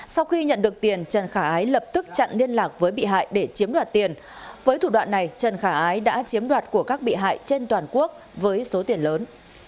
sau khi nhận được tiền trần khả ái lập tức chặn liên lạc với bị hại để chiếm đoạt tiền với thủ đoạn này trần khả ái đã chiếm đoạt của các bị hại trên toàn quốc với số tiền lớn